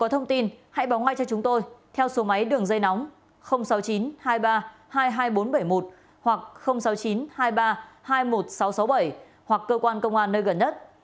thông tin hãy báo ngay cho chúng tôi theo số máy đường dây nóng sáu mươi chín hai mươi ba hai mươi hai nghìn bốn trăm bảy mươi một hoặc sáu mươi chín hai mươi ba hai mươi một nghìn sáu trăm sáu mươi bảy hoặc cơ quan công an nơi gần nhất